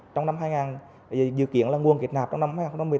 trong năm hai nghìn dự kiến là nguồn kết nạp trong năm hai nghìn một mươi tám